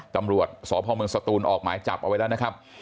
ตำรวจสพเมืองสตูนออกหมายจับเอาไว้แล้วนะครับ